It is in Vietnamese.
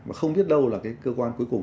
mà không biết đâu là cái cơ quan cuối cùng